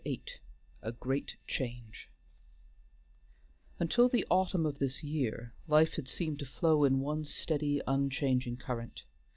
VIII A GREAT CHANGE Until the autumn of this year, life had seemed to flow in one steady, unchanging current.